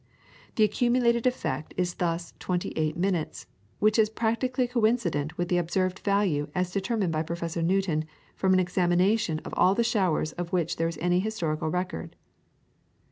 The accumulated effect is thus twenty eight minutes, which is practically coincident with the observed value as determined by Professor Newton from an examination of all the showers of which there is any historical record.